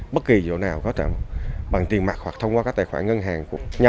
bất kỳ chỗ nào có trạm bằng tiền mặt hoặc thông qua các tài khoản ngân hàng